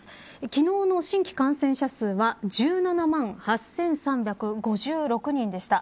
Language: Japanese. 昨日の新規感染者数は１７万８３５６人でした。